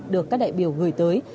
được các đại biểu gửi tới